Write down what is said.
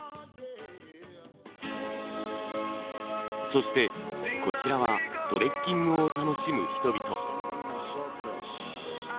そしてこちらはトレッキングを楽しむ人々。